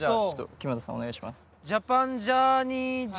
木全さんお願いします。を